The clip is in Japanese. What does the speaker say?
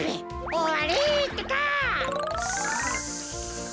おわりってか！